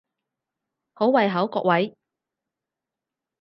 好胃口各位！